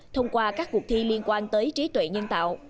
thông qua các cuộc thi liên quan tới trí tuệ nhân tạo